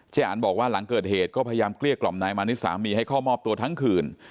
อันบอกว่าหลังเกิดเหตุก็พยายามเกลี้ยกล่อมนายมานิดสามีให้เข้ามอบตัวทั้งคืน